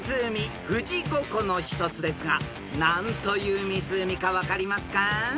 ［富士五湖の一つですが何という湖か分かりますか？］